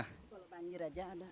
kalau banjir aja ada